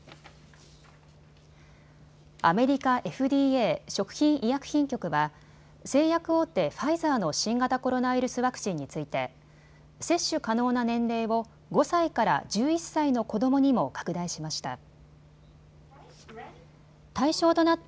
アメリカＦＤＡ・食品医薬品局は製薬大手、ファイザーの新型コロナウイルスワクチンについて接種可能な年齢を５歳から１１歳の子どもにも拡大しました。